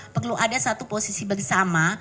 perlu ada satu posisi bersama